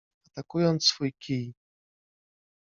atakując swój kij.